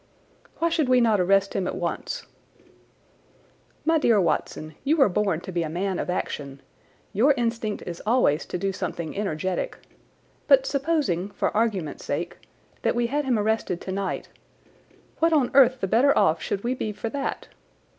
"Why should we not arrest him at once?" "My dear Watson, you were born to be a man of action. Your instinct is always to do something energetic. But supposing, for argument's sake, that we had him arrested tonight, what on earth the better off should we be for that?